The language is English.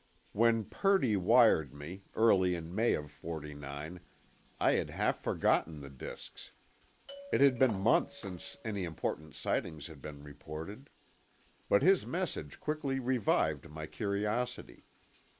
When Purdy wired me, early in May of '49, I had half forgotten the disks. It had been months since any important sightings had been reported. But his message quickly revived my curiosity.